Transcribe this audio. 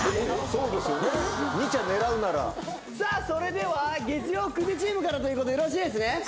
それでは月曜９時チームからということでよろしいですね。